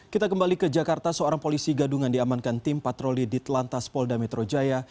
kita kembali ke jakarta seorang polisi gadungan diamankan tim patroli di telantas polda metro jaya